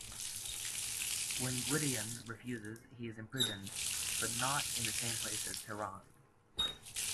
When Gwydion refuses, he is imprisoned, but not in the same place as Taran.